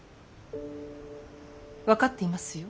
分かっていますよ。